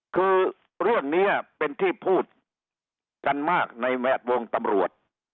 คือเรื่องนี้เป็นที่พูดกันมากในแวดวงตำรวจ